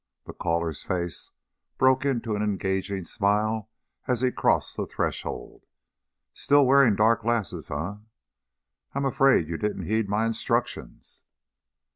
The caller's face broke into an engaging smile as he crossed the threshold. "Still wearing dark glasses, eh? I'm afraid you didn't heed my instructions."